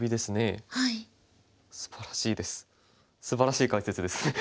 すばらしいです。